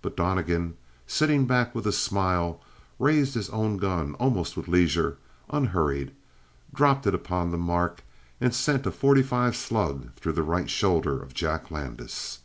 But Donnegan, sitting back with a smile, raised his own gun almost with leisure, unhurried, dropped it upon the mark, and sent a forty five slug through the right shoulder of Jack Landis.